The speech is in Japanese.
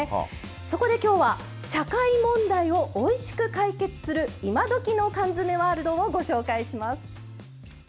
そこできょうは社会問題をおいしく解決する今どきの缶詰ワールドをご紹介します。